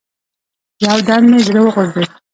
يو دم مې زړه وغورځېد.